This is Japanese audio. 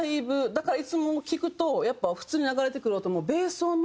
だからいつも聴くとやっぱ普通に流れてくる音も。